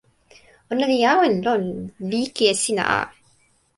ona li awen lon, li ike e sina a.